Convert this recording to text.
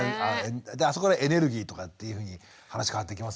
あそこからエネルギーとかっていうふうに話変わってきますもんね。